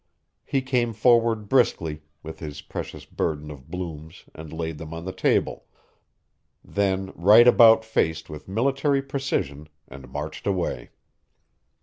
He came forward briskly with his precious burden of blooms and laid them on the table, then right about faced with military precision and marched away.